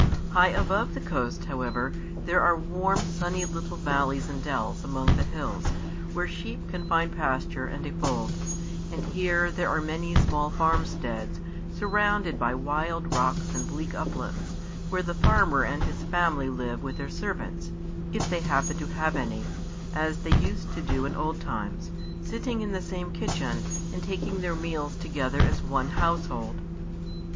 High above the coast, however, there are warm, sunny little valleys and dells among the hills, where sheep can find pasture and a fold; and here there are many small farmsteads, surrounded by wild rocks and bleak uplands, where the farmer and his family live with their servants, if they happen to have any, as they used to do in old times, sitting in the same kitchen, and taking their meals together as one household.